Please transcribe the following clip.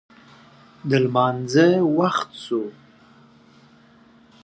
د لمانځه وخت شو